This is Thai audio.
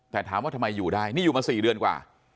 แต่ถามว่าทำไมอยู่ได้นี่อยู่มา๔เดือนกว่า